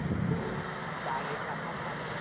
「だれかさされた」